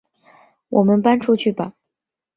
我们搬出去吧